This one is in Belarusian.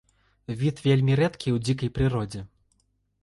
Від вельмі рэдкі ў дзікай прыродзе.